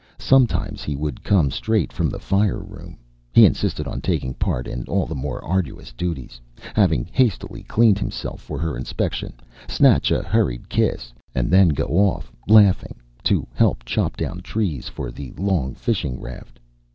Sometimes he would come straight from the fire room he insisted on taking part in all the more arduous duties having hastily cleaned himself for her inspection, snatch a hurried kiss, and then go off, laughing, to help chop down trees for the long fishing raft.